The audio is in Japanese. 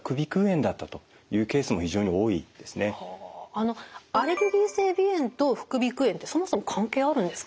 実際アレルギー性鼻炎と副鼻腔炎ってそもそも関係あるんですか？